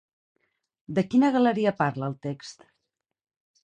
De quina galeria parla el text?